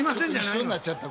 一緒になっちゃった。